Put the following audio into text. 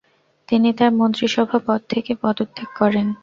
তিনি তার মন্ত্রিসভা পদ থেকে পদত্যাগ করেন।